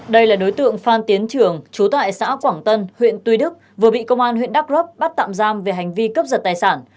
đây là đối tượng phan tiến trường chú tại xã quảng tân huyện tuy đức vừa bị công an huyện đắc rớp bắt tạm giam về hành vi cấp giật tài sản